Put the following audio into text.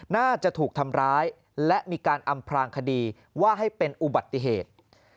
น่าจะถูกทำร้ายและมีการอำพลางคดีว่าให้เป็นอุบัติเหตุ